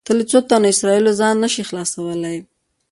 ته له څو تنو اسرایلو ځان نه شې خلاصولی.